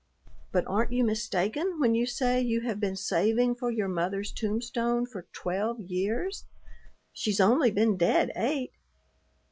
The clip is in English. "But aren't you mistaken when you say you have been saving for your mother's tombstone for twelve years? She's only been dead eight."